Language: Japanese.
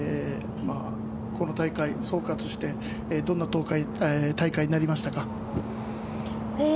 この大会、総括してどんな大会になりましたか？